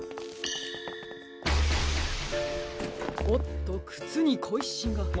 おっとくつにこいしが。